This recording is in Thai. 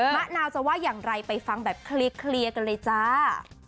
มะนาวจะว่าอย่างไรไปฟังแบบเคลียร์กันเลยจ้า